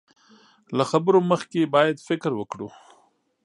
له خبرو مخکې بايد فکر وکړو.